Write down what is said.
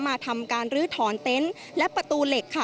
มาทำการลื้อถอนเต็นต์และประตูเหล็กค่ะ